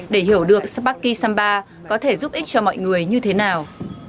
để hiểu được sparki samba có thể giúp ích cho mọi người như thế nào